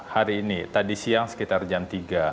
hari ini tadi siang sekitar jam tiga